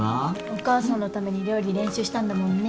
お母さんのために料理練習したんだもんね。